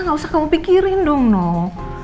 gak usah kamu pikirin dong nol